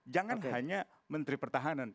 jangan hanya menteri pertahanan